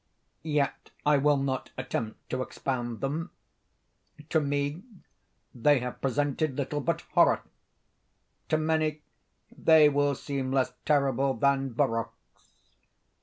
Yet I will not attempt to expound them. To me, they have presented little but horror—to many they will seem less terrible than barroques.